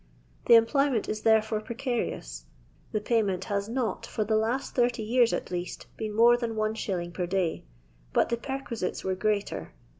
The employment is therefore precarious ; tho payment has not, for the hut 30 years at least, been more than 1*. per day, but the perquisites were greater.